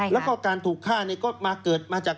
แล้วก็การถูกฆ่าเนี่ยก็มาเกิดมาจาก